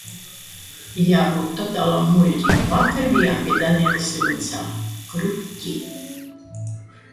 Ir jābūt totālam muļķim. Vakar bijām pie Daniela slimnīcā. Kruķi.